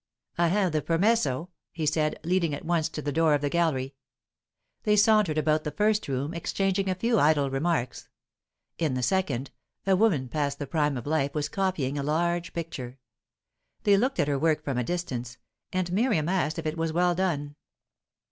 "I have the permesso," he said, leading at once to the door of the gallery. They sauntered about the first room, exchanging a few idle remarks. In the second, a woman past the prime of life was copying a large picture. They looked at her work from a distance, and Miriam asked if it was well done.